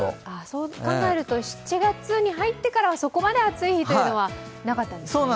そう考えると、７月に入ってからはそこまで暑い日はなかったんですね。